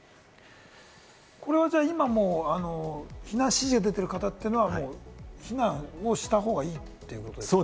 これは今は避難指示が出ている方というのは避難をした方がいいということですか？